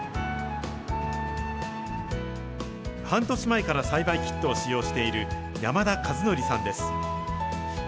半年前から栽培キットを使用している山田和紀さんです。